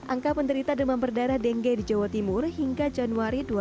angka penderita demam berdarah dengue di jawa timur hingga di jawa timur ini adalah